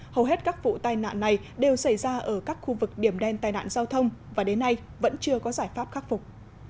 hầu hết các vụ tai nạn này đều xảy ra ở các khu vực điểm đen tai nạn giao thông và đến nay vẫn chưa có giải pháp khắc phục